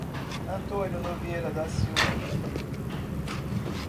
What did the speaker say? Antônio Nogueira da Silva